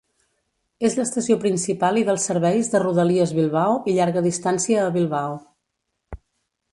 És l'estació principal i dels serveis de Rodalies Bilbao i Llarga Distància a Bilbao.